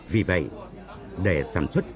vì vậy để sản xuất